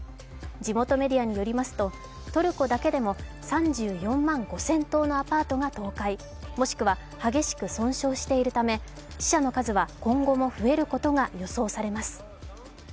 地元メディアによりますとトルコだけでも３４万５０００棟のアパートが倒壊、もしくは激しく損傷しているため死者の数は今後も増えることが予想されます。